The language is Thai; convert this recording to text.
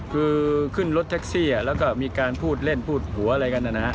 คือขึ้นรถแท็กซี่แล้วก็มีการพูดเล่นพูดหัวอะไรกันนะฮะ